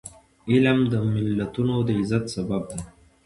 علم د ملتونو د عزت سبب دی.